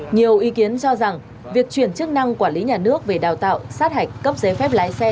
nhiều ý kiến cho rằng việc chuyển chức năng quản lý nhà nước về đào tạo sát hạch cấp giấy phép lái xe